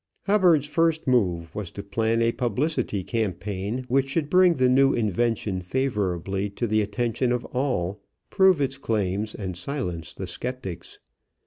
Hubbard's first move was to plan a publicity campaign which should bring the new invention favorably to the attention of all, prove its claims, and silence the skeptics.